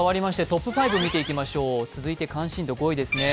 トップ５を見ていきましょう続いて関心度５位ですね。